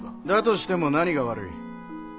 だとしても何が悪い？